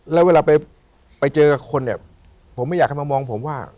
แล้วเวลาไปเจอกับคนเนี่ยผมไม่อยากให้มามองผมว่า